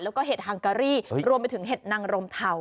แล้วก็เห็ดฮังการี่รวมไปถึงเห็ดนางรมเทา